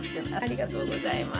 ありがとうございます。